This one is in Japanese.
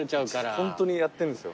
ホントにやってるんですよ。